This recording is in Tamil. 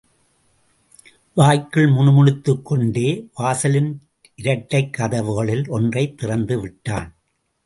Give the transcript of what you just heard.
வாய்க்குள் முணுமுணுத்துக் கொண்டே வாசலின் இரட்டைக் கதவுகளில் ஒன்றைத் திறந்து விட்டான்.